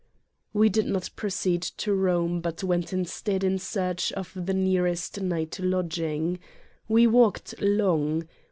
We did not proceed to Rome but went instead in search of the nearest night lodging. We walked long.